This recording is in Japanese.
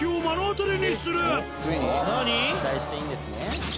期待していいんですね？